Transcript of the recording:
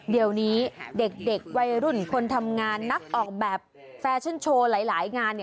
เดี๋ยวนี้เด็กวัยรุ่นคนทำงานนักออกแบบแฟชั่นโชว์หลายงาน